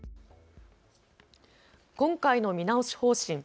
今回の見直し方針。